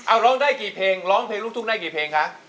เอาร้องได้กี่เพลงร้องเพลงลูกทุ่งได้กี่เพลงคะ